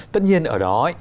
tất nhiên ở đó